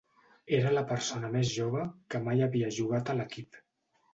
Era la persona més jove que mai havia jugat a l'equip.